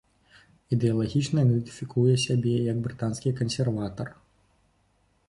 Ідэалагічна ідэнтыфікуе сябе як брытанскі кансерватар.